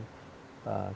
kita akan menghasilkan